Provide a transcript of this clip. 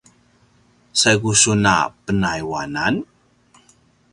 saigu sun a pinayuanan?